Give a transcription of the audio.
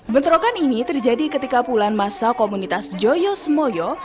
bentrokan ini terjadi ketika puluhan masa komunitas joyo semoyo